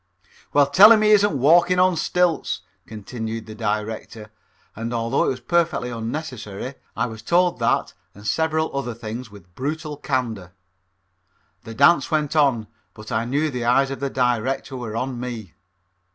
"Well, tell him he isn't walking on stilts," continued the director, and although it was perfectly unnecessary, I was told that and several other things with brutal candor. The dance went on but I knew the eyes of the director were on me.